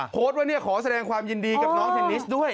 โพสต์ว่าขอแสดงความยินดีกับน้องเทนนิสด้วย